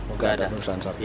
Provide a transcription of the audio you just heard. enggak ada pemeriksaan sapi